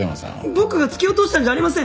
僕が突き落としたんじゃありません！